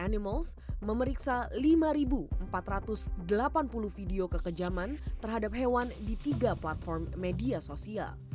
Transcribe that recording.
animals memeriksa lima empat ratus delapan puluh video kekejaman terhadap hewan di tiga platform media sosial